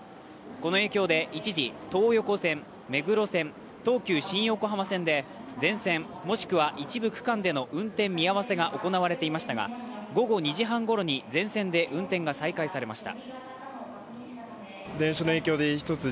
この影響で一時、東横線、目黒線、東急新横浜線で全線もしくは一部区間での運転見合わせが行われていましたが、午後２時半ごろに、全線で運転が再開されました。